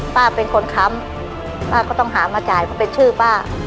ป้าเป็นคนค้ำป้าก็ต้องหามาจ่ายเพราะเป็นชื่อป้า